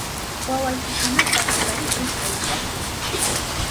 ¡Wawaykikunata kiparichiy kayllapi!